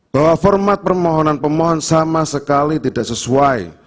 bahwa format permohonan pemohon sama sekali tidak sesuai